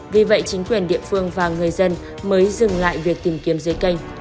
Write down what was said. vì vậy chính quyền địa phương và người dân mới dừng lại việc tìm kiếm dưới canh